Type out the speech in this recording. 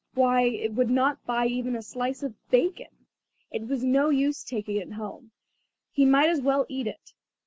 Why, it would not buy even a slice of bacon. It was no use taking it home, he might as well eat it.